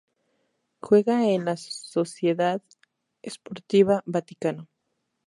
Juega en el Sociedade Sportiva Vaticano.